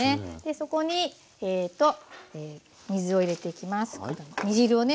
そこに水を入れていきます。